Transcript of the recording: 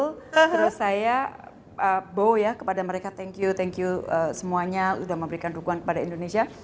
terus saya bow ya kepada mereka thank you thank you semuanya sudah memberikan dukungan kepada indonesia